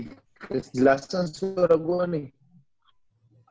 kejelasan suara gue nih